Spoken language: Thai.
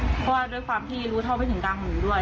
เพราะว่าด้วยความที่รู้เท่าไม่ถึงกลางหูด้วย